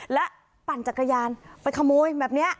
แล้วปั่นจักรยานไปขโมยแบบนี้